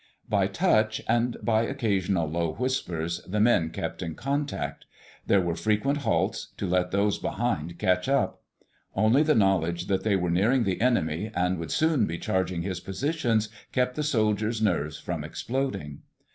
By touch, and by occasional low whispers, the men kept in contact. There were frequent halts, to let those behind catch up. Only the knowledge that they were nearing the enemy, and would soon be charging his positions, kept the soldiers' nerves from exploding.